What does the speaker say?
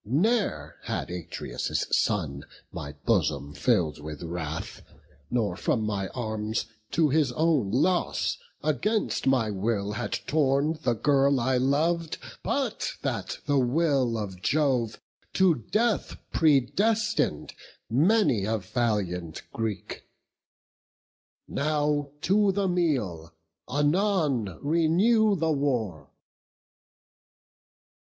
ne'er had Atreus' son My bosom fill'd with wrath, nor from my arms, To his own loss, against my will had torn The girl I lov'd, but that the will of Jove To death predestin'd many a valiant Greek. Now to the meal; anon renew the war."